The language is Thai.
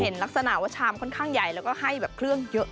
ลักษณะว่าชามค่อนข้างใหญ่แล้วก็ให้แบบเครื่องเยอะ